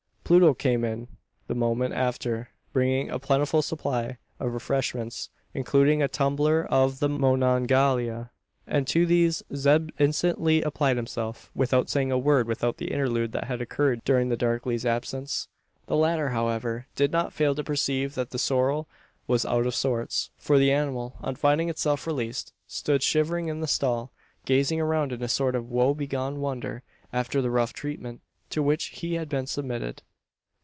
Pluto came in the moment after, bringing a plentiful supply of refreshments including a tumbler of the Monongahela; and to these Zeb instantly applied himself, without saying a word about the interlude that had occurred during the darkey's absence. The latter, however, did not fail to perceive that the sorrel was out of sorts: for the animal, on finding itself released, stood shivering in the stall, gazing around in a sort of woe begone wonder after the rough treatment, to which he had been submitted.